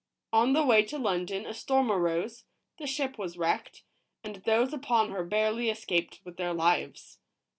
On the way to London a storm arose, the ship was wrecked, and those upon her barely escaped with their lives.